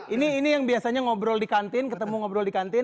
ini yang biasanya ngobrol di kantin ketemu ngobrol di kantin